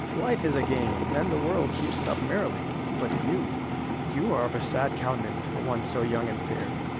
Life is a game, and the world keeps it up merrily. But you? You are of a sad countenance for one so young and so fair.